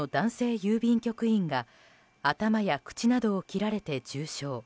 郵便局員が頭や口などを切られて重傷。